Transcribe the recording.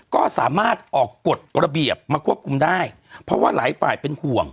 ก็สามารถออกกฎระเบียบมาควบคุมได้เพราะว่าหลายฝ่ายเป็นห่วง